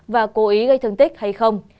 và cố ý gây thương tích hay không